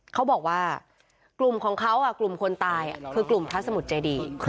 เขาบอกว่ากลุ่มของเขากลุ่มคนตายคือกลุ่มพระสมุทรเจดี